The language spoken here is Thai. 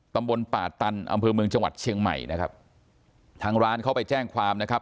ตำบลป่าตันอำเภอเมืองจังหวัดเชียงใหม่นะครับทางร้านเขาไปแจ้งความนะครับ